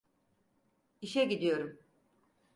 İşe gidiyorum.